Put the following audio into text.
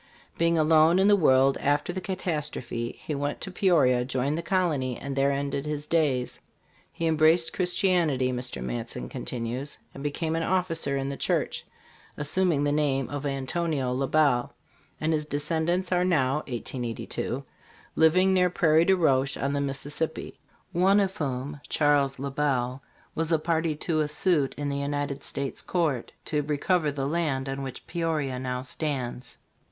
Being alone in the world after the catastrophe, he went to Peoria, joined the colony, and there ended his days. He embraced Christi anity," Mr. Matson continues, "and became an officer in the church, assum ing the name of Antonio La Bell ; and his descendants are now (1882) living near Prairie du Rocher [on the Mississippi], one of whom, Charles La Bell, was a party to a suit in the United States court to recover the land on which Peoria now stands."